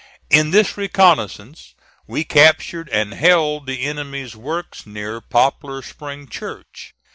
In this reconnoissance we captured and held the enemy's works near Poplar Spring Church.